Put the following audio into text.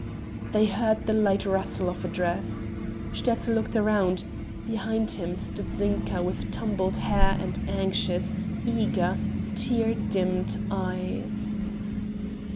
They heard the light rustle of a dress. Sterzl looked round behind him stood Zinka with tumbled hair and anxious, eager, tear dimmed eyes.